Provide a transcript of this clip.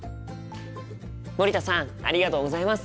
森田さんありがとうございます！